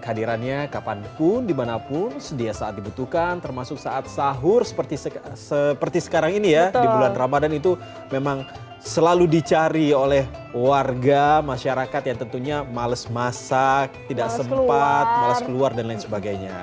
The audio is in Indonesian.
kehadirannya kapanpun dimanapun sedia saat dibutuhkan termasuk saat sahur seperti sekarang ini ya di bulan ramadan itu memang selalu dicari oleh warga masyarakat yang tentunya males masak tidak sempat males keluar dan lain sebagainya